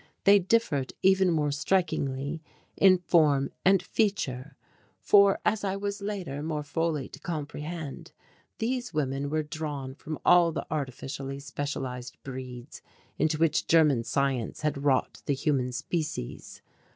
They differed even more strikingly in form and feature, for, as I was later more fully to comprehend, these women were drawn from all the artificially specialized breeds into which German science had wrought the human species.